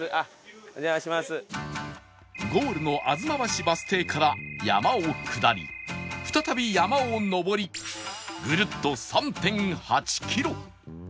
ゴールの東橋バス停から山を下り再び山を上りぐるっと ３．８ キロ